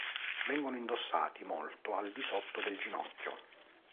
Vengono indossati molto al di sotto del ginocchio.